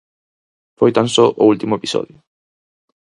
Foi tan só o último episodio.